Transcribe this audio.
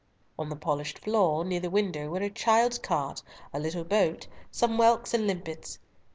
On the polished floor, near the window, were a child's cart, a little boat, some whelks and limpets.